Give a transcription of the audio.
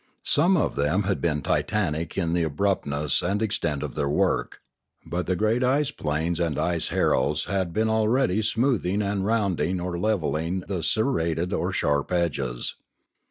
Some of them had been titanic in the abrupt ness and extent of their work; but the great ice planes and ice harrows had been already smoothing and round ing or levelling the serrated or sharp edges.